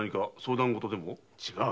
違う！